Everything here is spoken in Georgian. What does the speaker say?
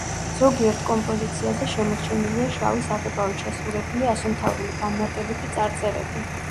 ზოგიერთ კომპოზიციაზე შემორჩენილია შავი საღებავით შესრულებული ასომთავრული განმარტებითი წარწერები.